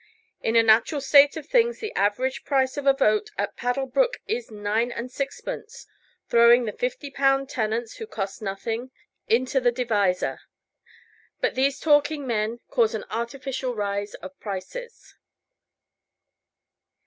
In a natural state of things the average price of a vote at Paddlebrook is nine and sixpence, throwing the fifty pound tenants, who cost nothing, into the divisor. But these talking men cause an artificial rise of prices.